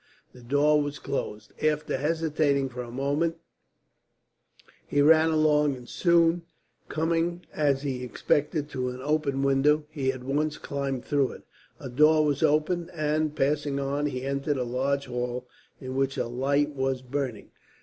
The door was closed. After hesitating for a moment he ran along and, soon coming, as he expected, to an open window, he at once climbed through it. A door was open and, passing on, he entered a large hall in which a light was burning.